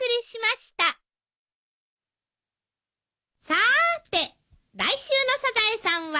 さーて来週の『サザエさん』は？